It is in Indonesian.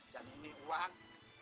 dan ini uang